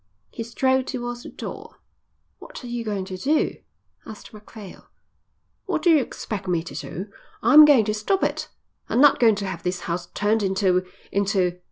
He strode towards the door. "What are you going to do?" asked Macphail. "What do you expect me to do? I'm going to stop it. I'm not going to have this house turned into into...."